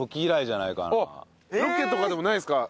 ロケとかでもないですか？